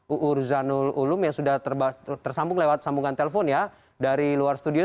uur zanul ulum yang sudah tersambung lewat sambungan telpon ya dari luar studio